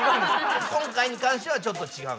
今回に関してはちょっと違う。